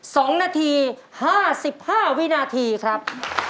สองนาทีห้าสิบห้าวินาทีครับ